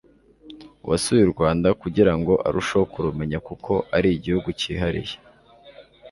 uwasuye u Rwanda kugira ngo arusheho kurumenya kuko ari igihugu kihariye,